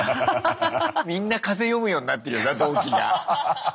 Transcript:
みんな風読むようになってるよな同期が。